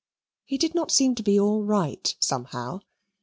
He did not seem to be all right, somehow.